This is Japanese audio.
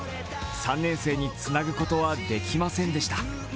３年生につなぐことはできませんでした。